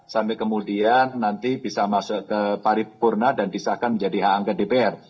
sampai kemudian nanti bisa masuk ke paripurna dan disahkan menjadi hak angket dpr